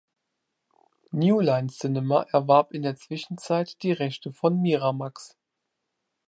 New Line Cinema erwarben in der Zwischenzeit die Rechte von Miramax.